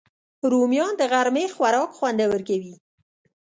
رومیان د غرمې خوراک خوندور کوي